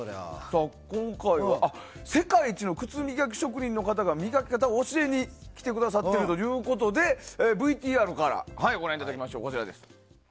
世界一の靴磨き職人の方が磨き方を教えに来てくださってるということでＶＴＲご覧いただきましょう。